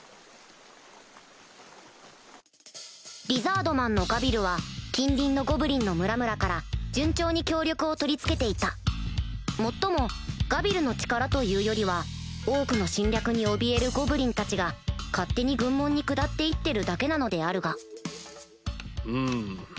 リザードマンのガビルは近隣のゴブリンの村々から順調に協力を取り付けていたもっともガビルの力というよりはオークの侵略におびえるゴブリンたちが勝手に軍門に下って行ってるだけなのであるがふむ。